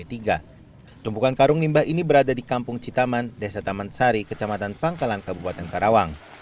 tumpukan karung limbah ini berada di kampung citaman desa taman sari kecamatan pangkalan kabupaten karawang